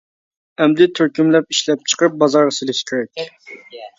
ئەمدى تۈركۈملەپ ئىشلەپ چىقىرىپ بازارغا سېلىشى كېرەك.